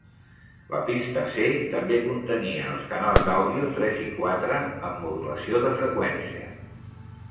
La pista C també contenia els canals d'àudio tres i quatre, amb modulació de freqüència.